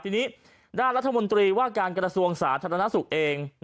ทีนี้ด้านรัฐมนตรีว่าการกรสวงศาสตร์ธรรมนาศุกร์เอง